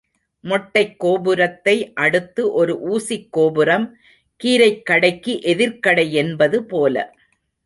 மொட்டைக் கோபுரத்தை அடுத்து ஒரு ஊசிக் கோபுரம், கீரைக் கடைக்கு எதிர்க்கடை என்பது போல.